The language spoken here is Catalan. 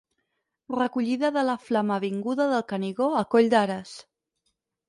Recollida de la Flama vinguda del Canigó a Coll d'Ares.